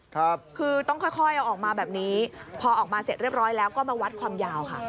คือต้องค่อยค่อยเอาออกมาแบบนี้พอออกมาเสร็จเรียบร้อยแล้วก็มาวัดความยาวค่ะ